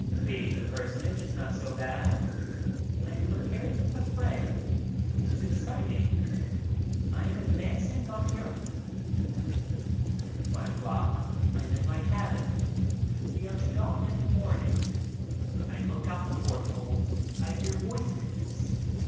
Being a personage is not so bad. I am pre pared for the fray. It is exciting. I am advancing on Europe. One o'clock. I am in my cabin. We are to dock in the morning. I look out the porthole. I hear voices.